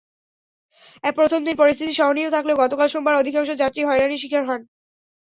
প্রথম দিন পরিস্থিতি সহনীয় থাকলেও গতকাল সোমবার অধিকাংশ যাত্রী হয়রানির শিকার হন।